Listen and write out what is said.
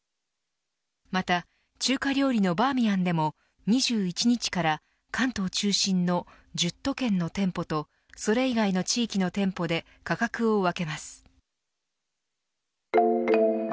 また、中華料理のバーミヤンでも２１日から関東中心の１０都県の店舗とそれ以外の地域の店舗で価格を分けます。